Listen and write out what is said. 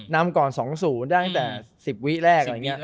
นำก่อน๒๐ได้ตั้งแต่๑๐วิแรก